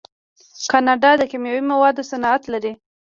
کاناډا د کیمیاوي موادو صنعت لري.